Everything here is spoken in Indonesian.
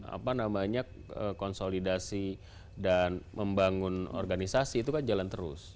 apa namanya konsolidasi dan membangun organisasi itu kan jalan terus